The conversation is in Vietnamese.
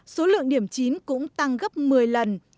số lượng điểm chín cũng tăng gấp một mươi lần